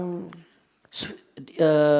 central bank nya sweden